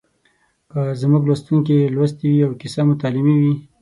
که زموږ لوستونکي لوستې وي او کیسه مو تعلیمي وي